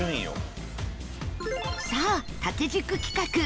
さあ縦軸企画